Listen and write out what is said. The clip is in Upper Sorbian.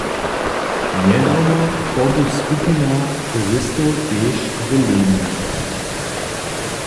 Njedawno poby skupina turistow tež w Lejnom.